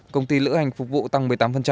công ty lữ hành phục vụ tăng một mươi tám